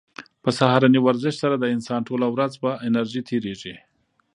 په سهارني ورزش سره د انسان ټوله ورځ په انرژۍ تېریږي.